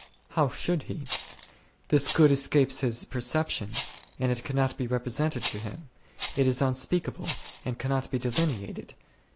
How should he ? This good escapes his perception, and it cannot be represented to him ; it is unspeak able, and cannot be delineated.